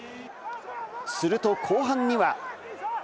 すると後半には。